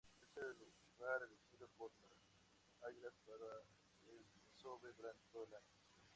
Es el lugar elegido por las anguilas para el desove durante todo el año.